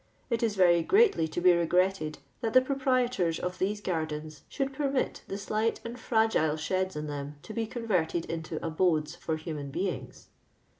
It is very greatly to be regretted that the proprietors of these gardens should permit the slight and fragile sheds in them to be converted into abodes for hiunan beings.